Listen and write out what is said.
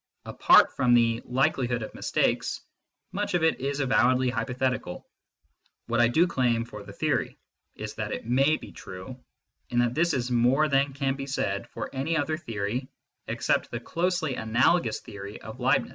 Apart from the likelihood of mistakes, much of it is avowedly hypo thetical. What I do claim for the theory is that it may be true, and that this is more than can be said for any other theory except the closely analogous theory of Leibniz.